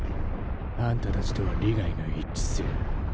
あんたたちとは利害が一致する。